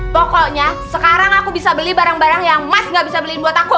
pokoknya sekarang aku bisa beli barang barang yang mas gak bisa beliin buat aku